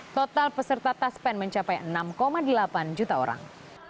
total peserta taspen mencapai enam delapan juta orang